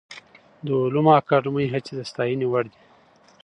د علومو اکاډمۍ هڅې د ستاینې وړ دي.